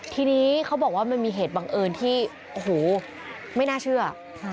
ทีนี้เขาบอกว่ามันมีเหตุบังเอิญที่โอ้โหไม่น่าเชื่อ